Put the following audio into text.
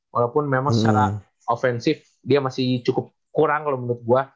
walaupun memang secara ofensif dia masih cukup kurang kalau menurut gue